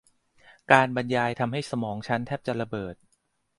การบรรยายทำให้สมองฉันแทบจะระเบิด